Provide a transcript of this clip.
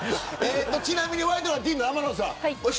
ワイドナティーンの天野さん